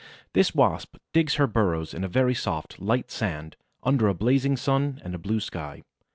This Wasp digs her burrows in very soft, light sand, under a blazing sun and a blue sky.